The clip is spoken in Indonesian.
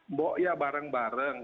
mbok ya bareng bareng